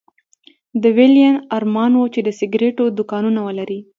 د ويلين ارمان و چې د سګرېټو دوکانونه ولري